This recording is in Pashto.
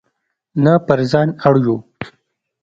نه پر ځان اړ یو.